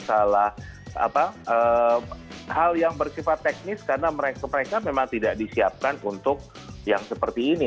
salah hal yang bersifat teknis karena mereka memang tidak disiapkan untuk yang seperti ini